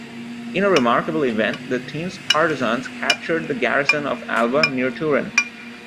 In a remarkable event, the team's partisans captured the garrison of Alba, near Turin.